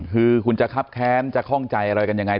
คือคุณจะคับแค้นจะคล่องใจอะไรกันยังไง